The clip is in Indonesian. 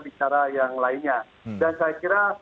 bicara yang lainnya dan saya kira